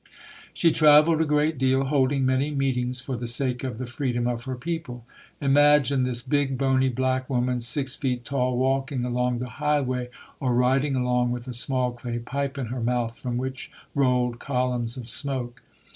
She traveled a great deal, holding many meet ings for the sake of the freedom of her people. 224 ] UNSUNG HEROES Imagine this big, bony, black woman, six feet tall, walking along the highway or riding along with a small clay pipe in her mouth from which rolled columns of smoke.